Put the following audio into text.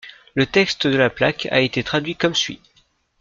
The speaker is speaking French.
Le texte de la plaque a été traduit comme suit.